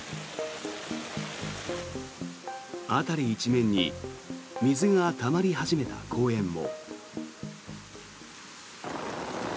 辺り一面に水がたまり始めた公園も。